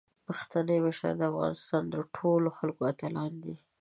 پښتني مشران د افغانستان د ټولو خلکو اتلان دي.